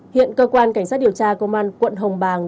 hiện cơ quan cảnh sát điều tra công an quận hồng bàng